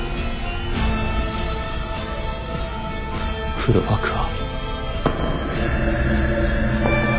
黒幕は。